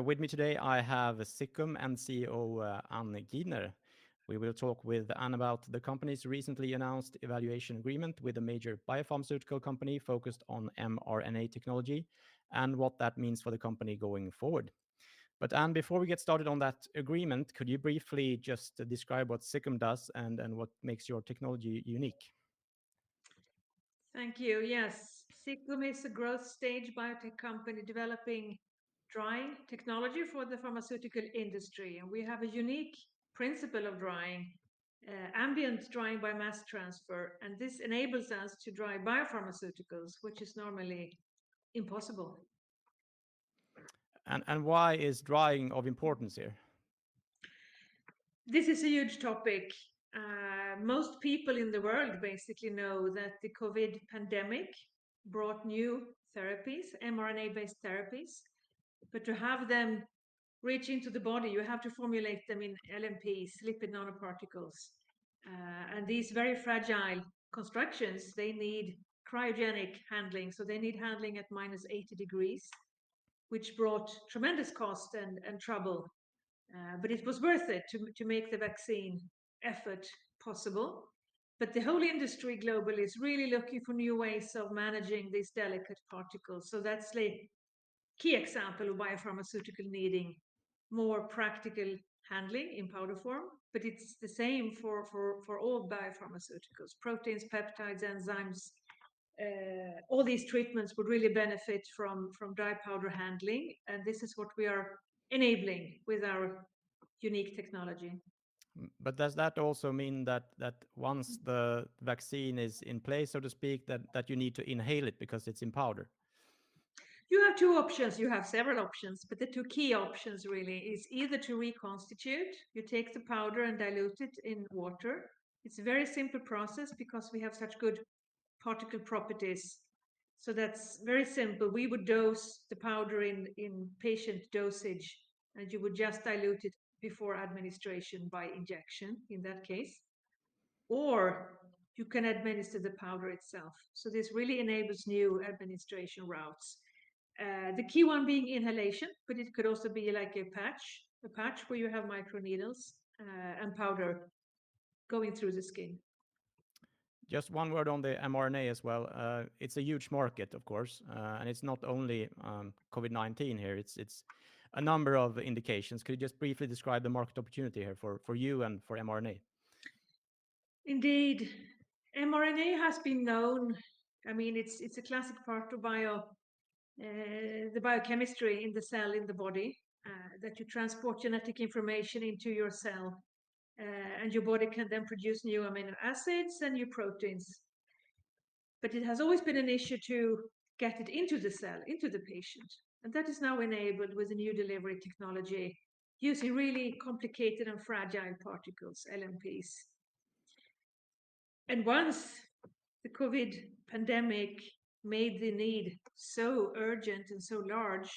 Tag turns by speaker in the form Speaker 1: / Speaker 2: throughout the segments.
Speaker 1: With me today, I have Ziccum CEO, Ann Gidner. We will talk with Ann about the company's recently announced evaluation agreement with a major biopharmaceutical company focused on mRNA technology, and what that means for the company going forward. Ann, before we get started on that agreement, could you briefly just describe what Ziccum does and what makes your technology unique?
Speaker 2: Thank you. Yes. Ziccum is a growth stage biotech company developing drying technology for the pharmaceutical industry, and we have a unique principle of drying, ambient drying by mass transfer, and this enables us to dry biopharmaceuticals, which is normally impossible.
Speaker 1: And why is drying of importance here?
Speaker 2: This is a huge topic. Most people in the world basically know that the COVID-19 pandemic brought new therapies, mRNA-based therapies. To have them reach into the body, you have to formulate them in LNP, lipid nanoparticles. These very fragile constructions, they need cryogenic handling, so they need handling at minus 80 degrees, which brought tremendous cost and trouble. It was worth it to make the vaccine effort possible. The whole industry globally is really looking for new ways of managing these delicate particles. That's a key example of biopharmaceutical needing more practical handling in powder form. It's the same for all biopharmaceuticals: proteins, peptides, enzymes. All these treatments would really benefit from dry powder handling, and this is what we are enabling with our unique technology.
Speaker 1: Does that also mean that once the vaccine is in place, so to speak, that you need to inhale it because it's in powder?
Speaker 2: You have two options. You have several options, but the two key options really is either to reconstitute. You take the powder and dilute it in water. It's a very simple process because we have such good particle properties. That's very simple. We would dose the powder in patient dosage, and you would just dilute it before administration by injection, in that case, or you can administer the powder itself. This really enables new administration routes. The key one being inhalation, but it could also be like a patch where you have microneedles and powder going through the skin.
Speaker 1: Just one word on the mRNA as well. It's a huge market, of course, and it's not only COVID-19 here. It's a number of indications. Could you just briefly describe the market opportunity here for you and for mRNA?
Speaker 2: Indeed, mRNA has been known. I mean, it's a classic part of bio, the biochemistry in the cell, in the body, that you transport genetic information into your cell, and your body can then produce new amino acids and new proteins. It has always been an issue to get it into the cell, into the patient. That is now enabled with a new delivery technology, using really complicated and fragile particles, LNPs. Once the COVID pandemic made the need so urgent and so large,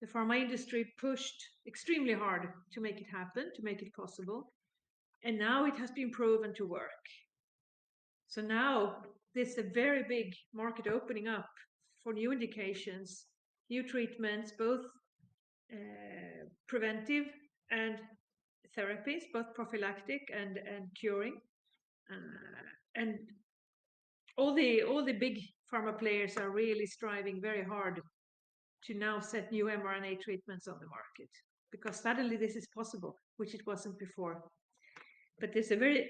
Speaker 2: the pharma industry pushed extremely hard to make it happen, to make it possible. Now it has been proven to work. Now, there's a very big market opening up for new indications, new treatments, both, preventive and therapies, both prophylactic and curing. All the, all the big pharma players are really striving very hard to now set new mRNA treatments on the market, because suddenly this is possible, which it wasn't before. There's a very.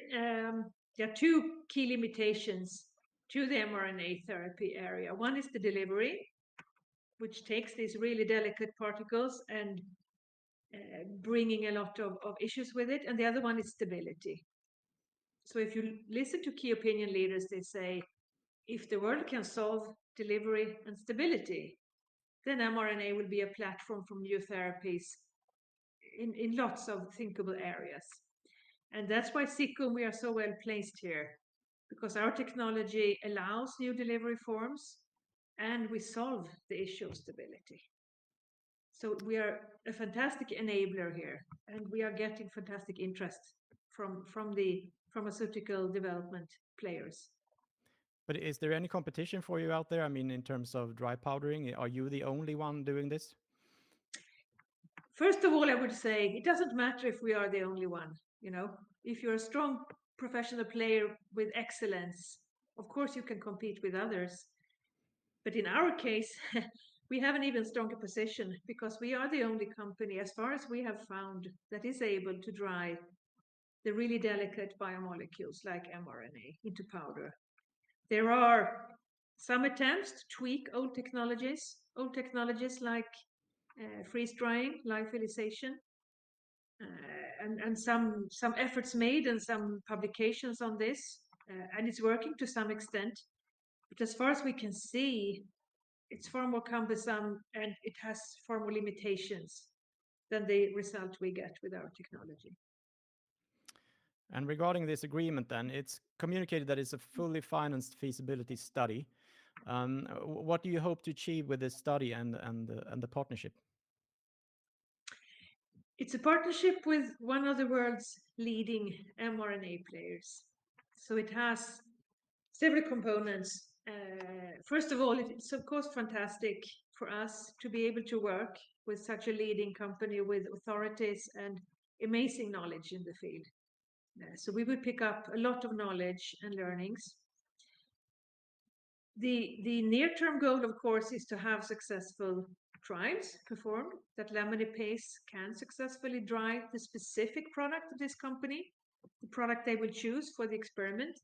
Speaker 2: There are two key limitations to the mRNA therapy area. One is the delivery, which takes these really delicate particles and bringing a lot of issues with it, and the other one is stability. If you listen to key opinion leaders, they say, "If the world can solve delivery and stability, then mRNA will be a platform for new therapies in lots of thinkable areas." That's why Ziccum, we are so well placed here, because our technology allows new delivery forms, and we solve the issue of stability. We are a fantastic enabler here, and we are getting fantastic interest from the pharmaceutical development players.
Speaker 1: Is there any competition for you out there? I mean, in terms of dry powdering, are you the only one doing this?
Speaker 2: First of all, I would say it doesn't matter if we are the only one, you know. If you're a strong professional player with excellence, of course, you can compete with others. But in our case, we have an even stronger position because we are the only company, as far as we have found, that is able to dry the really delicate biomolecules, like mRNA, into powder. There are some attempts to tweak old technologies like freeze-drying, lyophilization, and some efforts made and some publications on this. And it's working to some extent, but as far as we can see, it's far more cumbersome, and it has far more limitations than the result we get with our technology.
Speaker 1: Regarding this agreement, then, it's communicated that it's a fully financed feasibility study. What do you hope to achieve with this study and the partnership?
Speaker 2: It's a partnership with one of the world's leading mRNA players. It has several components. First of all, it's of course, fantastic for us to be able to work with such a leading company, with authorities and amazing knowledge in the field. We will pick up a lot of knowledge and learnings. The near term goal, of course, is to have successful trials performed, that LaminarPace can successfully drive the specific product of this company, the product they will choose for the experiment.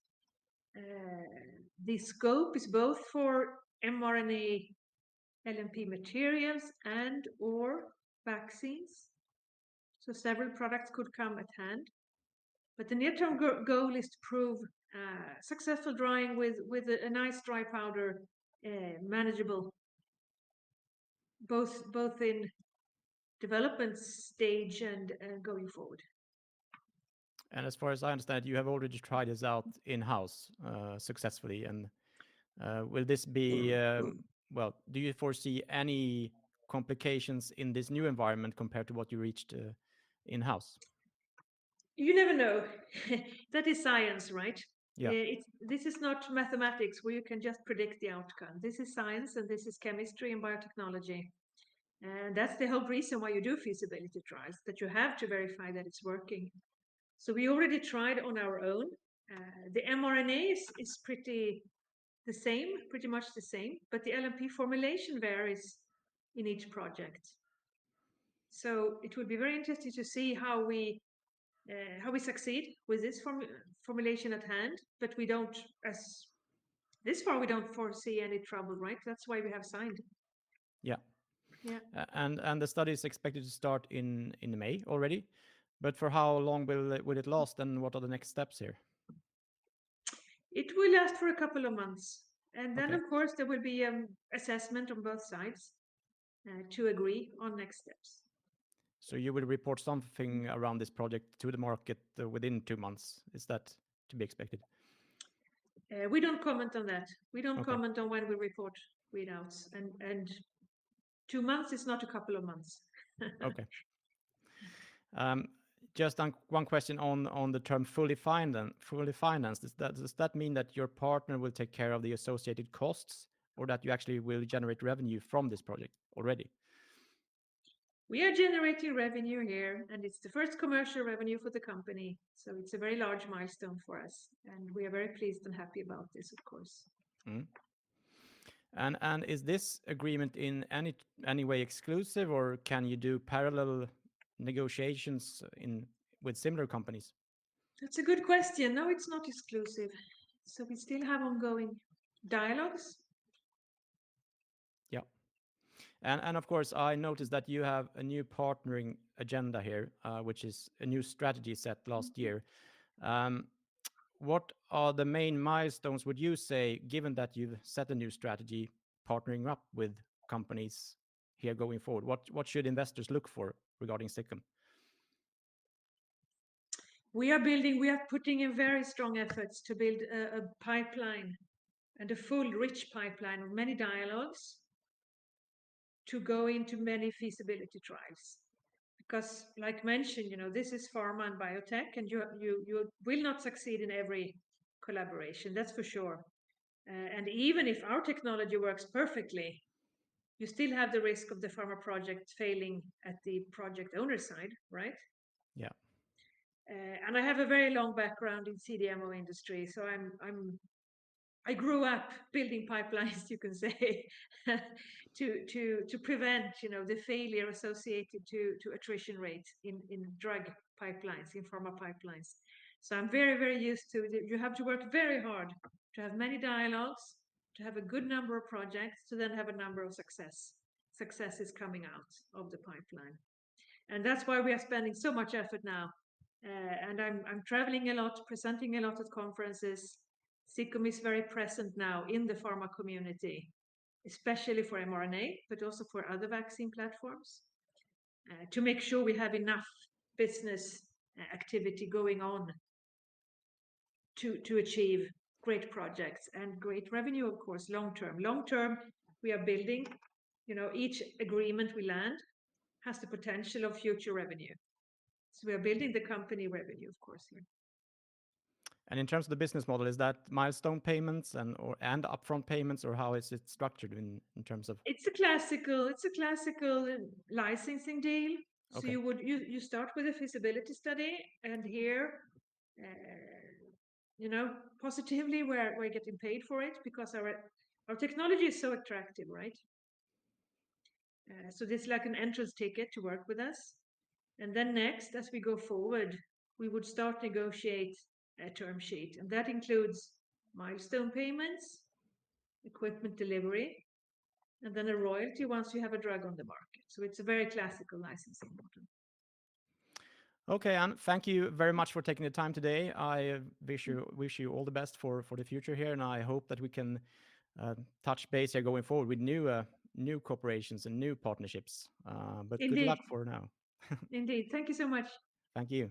Speaker 2: The scope is both for mRNA, LNP materials, and/or vaccines, so several products could come at hand. The near term goal is to prove successful drying with a nice dry powder, manageable both in development stage and going forward.
Speaker 1: As far as I understand, you have already tried this out in-house successfully. Well, do you foresee any complications in this new environment compared to what you reached in-house?
Speaker 2: You never know. That is science, right?
Speaker 1: Yeah.
Speaker 2: It, this is not mathematics, where you can just predict the outcome. This is science, and this is chemistry and biotechnology. That's the whole reason why you do feasibility trials, that you have to verify that it's working. We already tried on our own. The mRNA is pretty the same, pretty much the same, but the LNP formulation varies in each project. It will be very interesting to see how we succeed with this formulation at hand. We don't this far, we don't foresee any trouble, right? That's why we have signed.
Speaker 1: Yeah.
Speaker 2: Yeah.
Speaker 1: The study is expected to start in May already. For how long will it last, and what are the next steps here?
Speaker 2: It will last for a couple of months.
Speaker 1: Okay.
Speaker 2: Of course, there will be an assessment on both sides, to agree on next steps.
Speaker 1: You will report something around this project to the market within 2 months. Is that to be expected?
Speaker 2: We don't comment on that.
Speaker 1: Okay.
Speaker 2: We don't comment on when we report readouts. Two months is not a couple of months.
Speaker 1: Okay. just one question on the term fully financed. Does that mean that your partner will take care of the associated costs, or that you actually will generate revenue from this project already?
Speaker 2: We are generating revenue here. It's the first commercial revenue for the company. It's a very large milestone for us. We are very pleased and happy about this, of course.
Speaker 1: Mm-hmm. Ann, is this agreement in any way exclusive, or can you do parallel negotiations with similar companies?
Speaker 2: That's a good question. No, it's not exclusive. We still have ongoing dialogues.
Speaker 1: Yeah. Of course, I noticed that you have a new partnering agenda here, which is a new strategy set last year. What are the main milestones, would you say, given that you've set a new strategy, partnering up with companies here going forward? What should investors look for regarding Ziccum?
Speaker 2: We are putting in very strong efforts to build a pipeline and a full, rich pipeline of many dialogues to go into many feasibility trials. Like mentioned, you know, this is pharma and biotech, and you will not succeed in every collaboration, that's for sure. Even if our technology works perfectly, you still have the risk of the pharma project failing at the project owner side, right?
Speaker 1: Yeah.
Speaker 2: I have a very long background in CDMO industry, so I grew up building pipelines, you can say, to, to prevent, you know, the failure associated to attrition rates in drug pipelines, in pharma pipelines. I'm very, very used to it. You have to work very hard to have many dialogues, to have a good number of projects, to then have a number of successes coming out of the pipeline. That's why we are spending so much effort now. I'm traveling a lot, presenting a lot at conferences. Ziccum is very present now in the pharma community, especially for mRNA, but also for other vaccine platforms, to make sure we have enough business activity going on to achieve great projects and great revenue, of course, long term. Long term, we are building. You know, each agreement we land has the potential of future revenue, so we are building the company revenue, of course.
Speaker 1: In terms of the business model, is that milestone payments or, and upfront payments, or how is it structured in terms of?
Speaker 2: It's a classical licensing deal.
Speaker 1: Okay.
Speaker 2: You would start with a feasibility study, and here, you know, positively, we're getting paid for it because our technology is so attractive, right? This is like an entrance ticket to work with us. Next, as we go forward, we would start negotiate a term sheet, and that includes milestone payments, equipment delivery, and then a royalty once you have a drug on the market. It's a very classical licensing model.
Speaker 1: Okay, Ann, thank you very much for taking the time today. I wish you all the best for the future here. I hope that we can touch base here going forward with new corporations and new partnerships.
Speaker 2: Indeed!
Speaker 1: Good luck for now.
Speaker 2: Indeed. Thank you so much.
Speaker 1: Thank you.